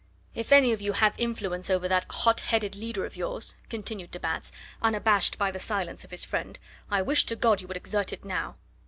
"If any of you have influence over that hot headed leader of yours," continued de Batz, unabashed by the silence of his friend, "I wish to God you would exert it now."